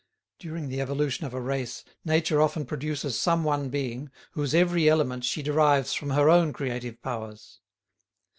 During the evolution of a race nature often produces some one being whose every element she derives from her own creative powers.